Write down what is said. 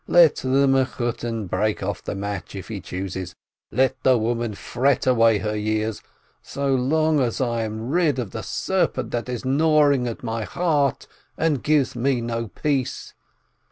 ... Let the Mechutton break off the match, if he chooses, let the woman fret away her years, so long as I am rid of the serpent that is gnawing at my heart, and gives me no peace!